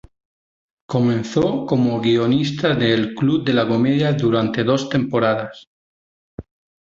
Comenzó como guionista de El Club de la Comedia durante dos temporadas.